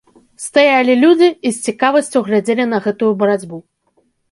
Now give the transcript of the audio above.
Стаялі людзі і з цікавасцю глядзелі на гэтую барацьбу.